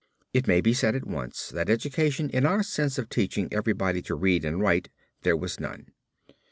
It may be said at once that education in our sense of teaching everybody to read and write there was none.